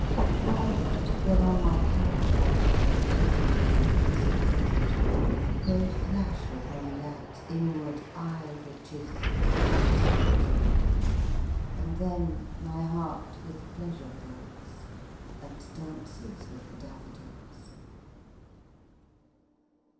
For oft, when on my couch I lie In vacant or in pensive mood, They flash upon that inward eye Which is the bliss of solitude; And then my heart with pleasure fills, And dances with the daffodils.